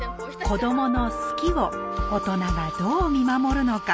子どもの「好き」を大人がどう見守るのか。